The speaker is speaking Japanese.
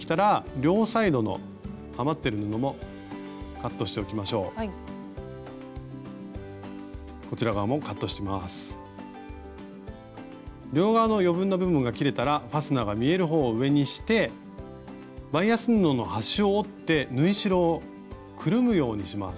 両側の余分な部分が切れたらファスナーが見えるほうを上にしてバイアス布の端を折って縫い代をくるむようにします。